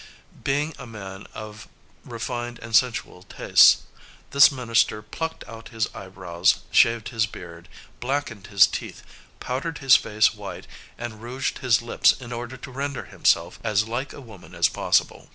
Being a, man of refined and sensual tastes, this minister plucked out his eyebrows, shaved his beard, blackened his teeth, powdered his face white, and rouged his lips in order to render himself as like a woman as possible.